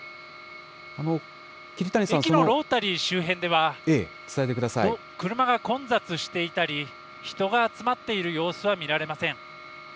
駅のロータリー周辺では、車が混在していたり、人が集まっている様子は見られません。